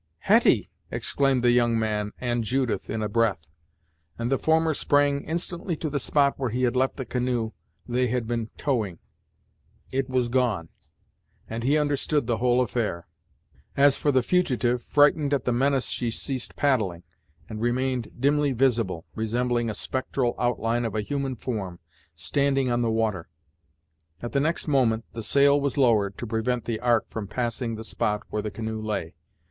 "Hetty!" exclaimed the young man and Judith in a breath; and the former sprang instantly to the spot where he had left the canoe they had been towing. It was gone, and he understood the whole affair. As for the fugitive, frightened at the menace she ceased paddling, and remained dimly visible, resembling a spectral outline of a human form, standing on the water. At the next moment the sail was lowered, to prevent the Ark from passing the spot where the canoe lay.